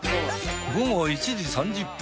午後１時３０分